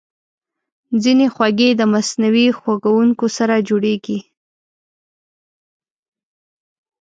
ځینې خوږې د مصنوعي خوږونکو سره جوړېږي.